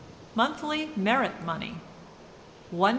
Monthly merit money 1s.